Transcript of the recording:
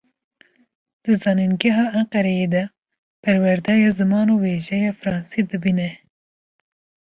Di zanîngeha Enqereyê de, perwerdeya ziman û wêjeya fransî dibîne.